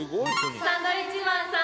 サンドウィッチマンさん！